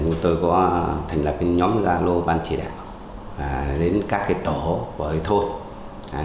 chúng tôi có thành lập nhóm gia lô ban chỉ đạo đến các tổ của thôn